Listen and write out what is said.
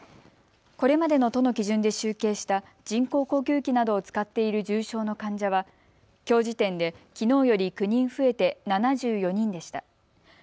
これまでの都の基準で集計した人工呼吸器などを使っている重症の患者はきょう時点できのうより９人増えて７４人でした。